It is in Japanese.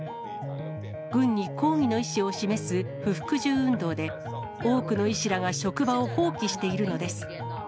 軍に抗議の意思を示す不服従運動で、多くの医師らが職場を放棄しているのです。